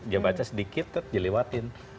dia baca sedikit terp dia lewatin